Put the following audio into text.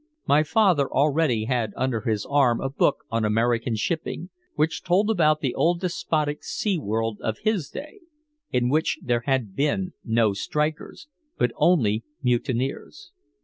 My father already had under his arm a book on American shipping, which told about the old despotic sea world of his day, in which there had been no strikers but only mutineers.